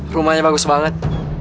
wah rumahnya bagus banget